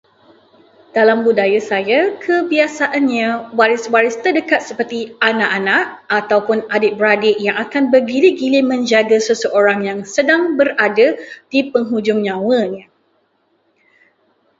Dalam budaya saya, kebiasaannya waris-waris terdekat seperti anak-anak ataupun adik-beradik yang akan bergilir-gilir menjaga seseorang yang sedang berada di penghujung nyawanya.